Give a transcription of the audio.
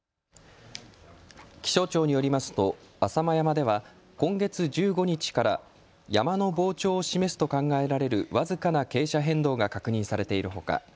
気象庁によりますと浅間山では今月１５日から山の膨張を示すと考えられる僅かな傾斜変動が確認されているほか